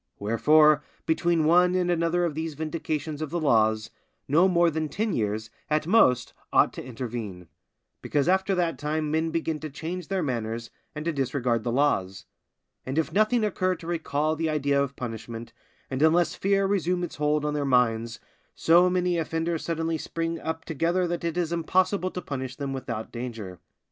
Wherefore, between one and another of these vindications of the laws, no more than ten years, at most, ought to intervene; because after that time men begin to change their manners and to disregard the laws; and if nothing occur to recall the idea of punishment, and unless fear resume its hold on their minds, so many offenders suddenly spring up together that it is impossible to punish them without danger.